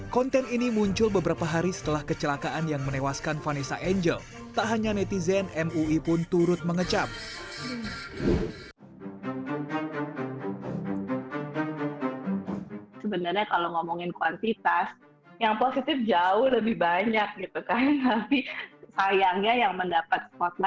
konten ini muncul beberapa hari setelah kecelakaan yang menewaskan vanessa angel